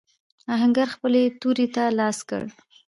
آهنګر خپلې تورې ته لاس کړ.